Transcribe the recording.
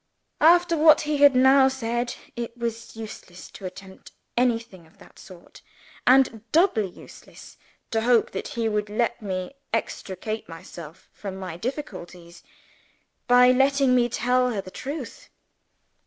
After what he had now said, it was useless to attempt anything of that sort and doubly useless to hope that he would let me extricate myself from my difficulties by letting me tell her the truth.